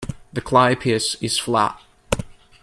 The clypeus is flat.